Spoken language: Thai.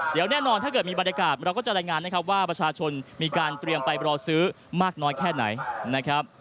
เดี๋ยวแน่นอนถ้าเกิดมีบรรยากาศเราก็จะรายงานนะครับว่าประชาชนมีการเตรียมไปรอซื้อมากน้อยแค่ไหนนะครับ